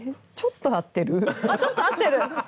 あっちょっと合ってる⁉アハハ！